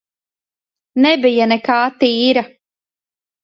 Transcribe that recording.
Nebija nekā tīra.